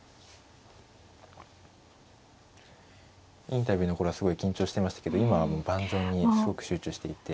インタビューの頃はすごい緊張してましたけど今はもう盤上にすごく集中していて。